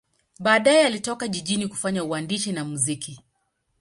Baadaye alitoka jijini kufanya uandishi na muziki.